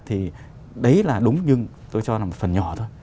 thì đấy là đúng nhưng tôi cho là một phần nhỏ thôi